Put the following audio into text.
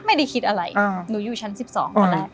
ไม่ได้คิดอะไรหนูอยู่ชั้น๑๒กว่าแหละ